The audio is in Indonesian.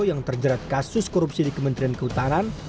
yang terjerat kasus korupsi di kementerian kehutanan